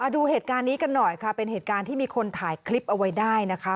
ดูเหตุการณ์นี้กันหน่อยค่ะเป็นเหตุการณ์ที่มีคนถ่ายคลิปเอาไว้ได้นะคะ